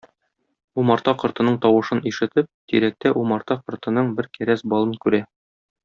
Умарта кортының тавышын ишетеп, тирәктә умарта кортының бер кәрәз балын күрә.